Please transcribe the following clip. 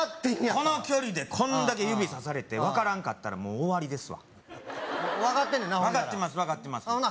この距離でこんだけ指さされて分からんかったらもう終わりですわ分かってねんなほんなら分かってます分かってますほな